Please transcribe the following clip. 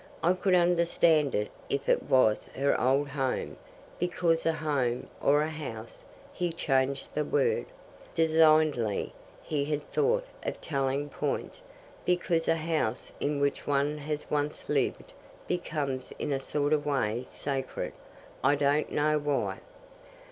I could understand it if it was her old home, because a home, or a house" he changed the word, designedly; he had thought of a telling point "because a house in which one has once lived becomes in a sort of way sacred, I don't know why.